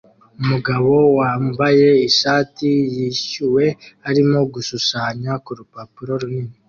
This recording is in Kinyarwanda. Umugabo wambaye ishati yishyuwe arimo gushushanya ku rupapuro runini